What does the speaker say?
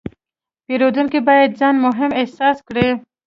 پیرودونکی باید ځان مهم احساس کړي.